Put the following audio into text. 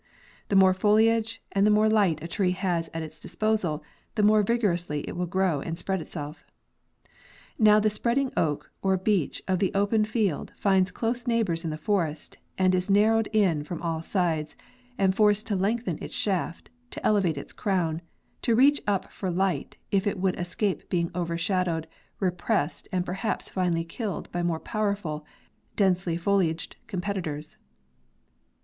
The more foliage and the more light a tree has at its disposal, the more vigorously it will grow and spread itself. Now the spreading oak or beech of the open field finds close neighbors in the forest, and is narrowed in from all sides and forced to lengthen its shaft, to elevate its crown, to reach up for light, if it would escape being overshadowed, repressed and per haps finally killed by more powerful densely foliaged compet itors.